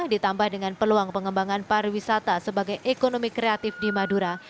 ditambah dengan peluang pengembangan pariwisata sebagai ekonomi kreatif di madura